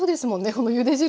このゆで汁。